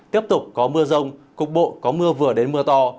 tiếp tục có mưa rông cục bộ có mưa vừa đến mưa to